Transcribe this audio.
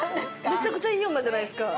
めちゃくちゃいい女じゃないですか。